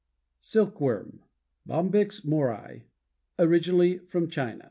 =SILK WORM= Bombyx mori. Originally from China.